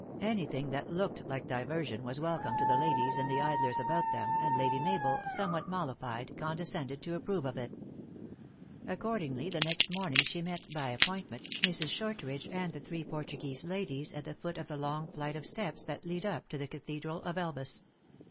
Anything that looked like diversion was welcome to the ladies and the idlers about them, and Lady Mabel, somewhat mollified, condescended to approve of it. Accordingly, the next morning she met, by appoint ment, Mrs. Shortridge and the three Portuguese ladies at the foot of the long flight of steps that lead up to the cathedral of Elvas.